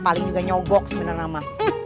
paling juga nyobok sebenernya nama